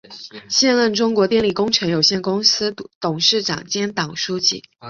现任中国电力工程有限公司董事长兼党书记。